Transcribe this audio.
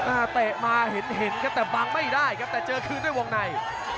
เตะมาเห็นเห็นครับแต่บังไม่ได้ครับแต่เจอคืนด้วยวงใน